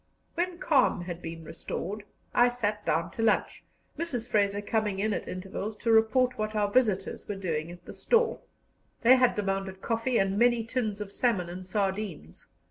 When calm had been restored, I sat down to lunch, Mrs. Fraser coming in at intervals to report what our visitors were doing at the store. They had demanded coffee and many tins of salmon and sardines.